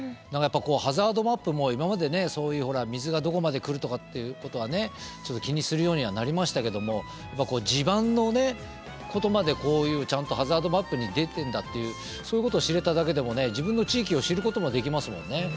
やっぱりハザードマップも今までそういうほら水がどこまで来るとかっていうことはちょっと気にするようにはなりましたけども地盤のことまでこういうちゃんとハザードマップに出てんだっていうそういうことを知れただけでも自分の地域を知ることもできますもんね。